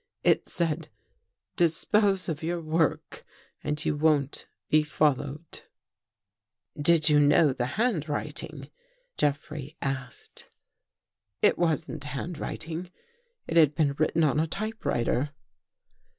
It said, ' Dispose of your work and you won't be fol lowed.' "" Did you know the handwriting? " Jeffrey asked. 255 THE GHOST GIRL " It wasn't handwriting. It had been written on a typewriter."